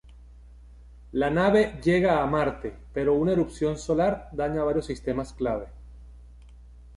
La nave llega a Marte, pero una erupción solar daña varios sistemas clave.